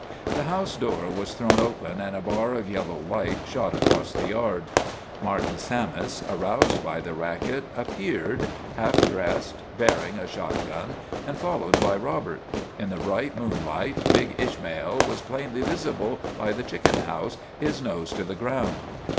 The house door was thrown open and a bar of yellow light shot across the yard. Martin Sammis, ISHMAEL 123 aroused by the racket, appeared, half dressed, bear ing a shotgun, and followed by Robert. In the bright moonlight big Ishmael was plainly visible by the chicken house, his nose to the ground.